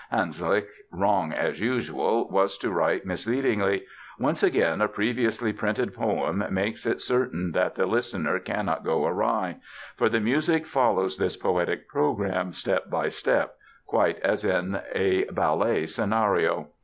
Hanslick, wrong as usual, was to write misleadingly: "Once again a previously printed poem makes it certain that the listener cannot go awry; for the music follows this poetic program step by step, quite as in a ballet scenario."